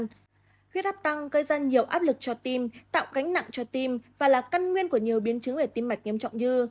huyết áp tăng gây ra nhiều áp lực cho tim tạo gánh nặng cho tim và là căn nguyên của nhiều biến chứng về tim mạch nghiêm trọng như